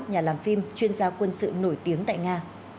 nhà làm phim chuyên gia quân sự nổi tiếng tại nga